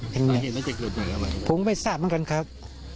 ผมไม่สามารถกันครับ